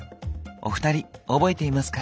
お二人覚えていますか？